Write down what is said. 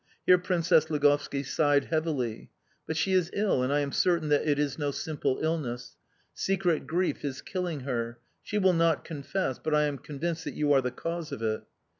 Here Princess Ligovski sighed heavily. "But she is ill, and I am certain that it is no simple illness! Secret grief is killing her; she will not confess, but I am convinced that you are the cause of it...